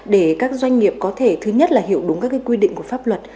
để các doanh nghiệp có thể thứ nhất là hiểu đúng các quy định của pháp luật